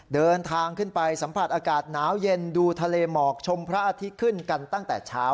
เดินทางขึ้นไปสัมผัสอากาศหนาวเย็นดูทะเลหมอกชมพระอาทิตย์ขึ้นกันตั้งแต่เช้า